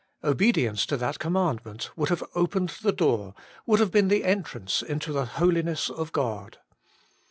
Obedience to that commandment would have opened the door, would have been the entrance, into the Holiness of God.